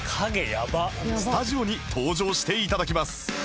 スタジオに登場して頂きます